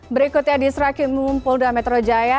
berikutnya di srakim mumpul dan metro jaya